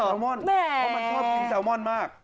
ลมอนเพราะมันชอบกินแซลมอนมาก